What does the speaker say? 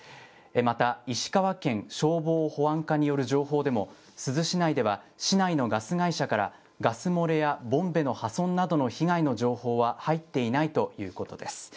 また、石川県消防保安課による情報でも、珠洲市内では市内のガス会社からガス漏れやボンベの破損などの被害の情報は入っていないということです。